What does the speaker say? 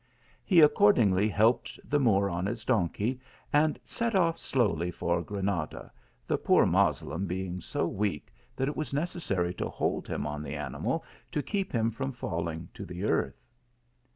He accordingly helped the Moor on his donkey, and set off slowly for Granada, the poor Moslem being so weak that it was necessary to hold him on the animal to keep him from falling to the earth.